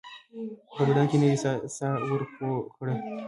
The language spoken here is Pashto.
په بدن کې نوې ساه ورپو کړو